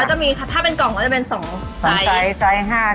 แล้วจะมีค่ะถ้าเป็นกล่องก็จะเป็น๒ไซส์